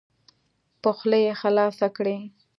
په خوله یې خلاصه کړئ.